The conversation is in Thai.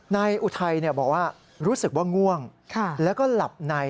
อุทัยบอกว่ารู้สึกว่าง่วงแล้วก็หลับใน